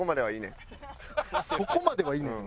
そこまではいいねん。